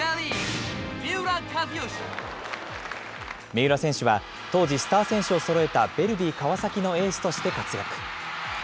三浦選手は、当時、スター選手をそろえたヴェルディ川崎のエースとして活躍。